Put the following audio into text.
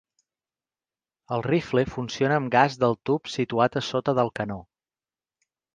El rifle funciona amb gas del tub situat a sota del canó.